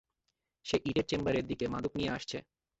সে ইটের চেম্বারে দিকে মাদক নিয়ে আসছে।